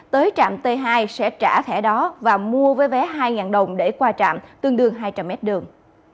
tới trạm t hai sẽ trả thẻ đó và mua với vé hai đồng để qua trạm tương đương hai trăm linh mét đường